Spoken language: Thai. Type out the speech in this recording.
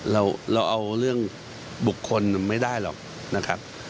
เราเอาเรื่องบุคคลไม่ได้หรอกนะครับ